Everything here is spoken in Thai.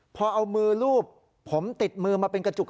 พอเอามือลูบผมติดมือมาเป็นกระจุก